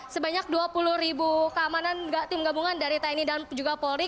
sebanyak dua puluh ribu keamanan tim gabungan dari tni dan juga polri